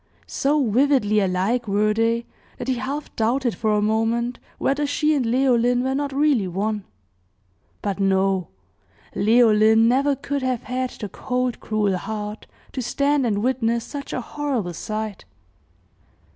So vividly alike were they, that he half doubted for a moment whether she and Leoline were not really one; but no Leoline never could have had the cold, cruel heart to stand and witness such a horrible sight.